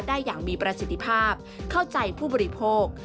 ได้อย่างมีประสิทธิภาพเข้าใจผู้บริโภค